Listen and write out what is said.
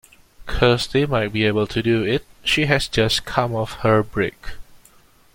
Kirsty might be able to do it; she has just come off her break.